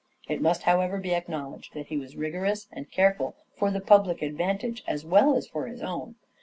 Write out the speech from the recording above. It must, however, be acknowledged that he was rigorous and careful for the public advantage as well as for his own.